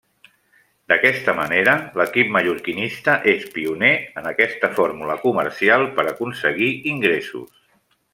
D'aquesta manera l'equip mallorquinista és pioner en aquesta fórmula comercial per aconseguir ingressos.